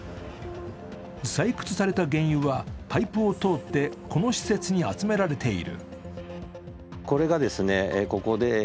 採掘された原油はパイプを通って、この施設に集められている。